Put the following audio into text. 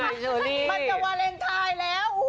มันจะวาเลนไทน์แล้ว